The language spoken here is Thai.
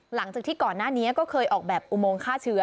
หลังจากที่ก่อนหน้านี้ก็เคยออกแบบอุโมงฆ่าเชื้อ